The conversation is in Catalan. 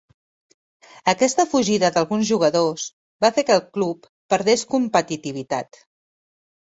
Aquesta fugida d'alguns jugadors va fer que el club perdés competitivitat.